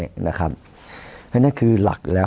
เพราะฉะนั้นคือหลักแล้ว